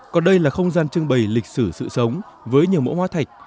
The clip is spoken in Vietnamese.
còn đây là không gian trưng bày lịch sử sự sống với nhiều mũa hoa thạch